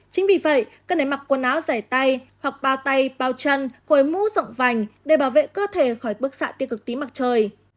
chính vì vậy cần nảy mặc quần áo rẻ tay hoặc bao tay bao chân quầy mũ rộng vành để bảo vệ cơ thể khỏi bức xạ tiêu cực tím mặt trời